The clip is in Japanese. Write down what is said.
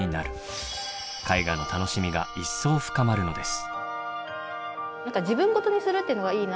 絵画の楽しみが一層深まるのです。